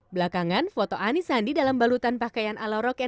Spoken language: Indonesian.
belakangan foto ani sandi dalam balutan pakaian ala rock and roll